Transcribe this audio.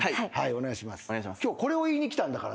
お願いします。